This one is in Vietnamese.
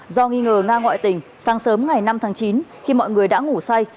do nghi ngờ nga ngoại tình sáng sớm ngày năm tháng chín khi mọi người đã ngủ say